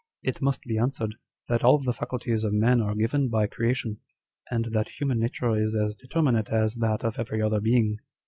It must be answered, that all the faculties of man are given by creation, and that human nature is as determinate as that of every other being.